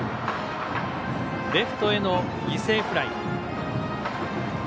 レフトへの犠牲フライ。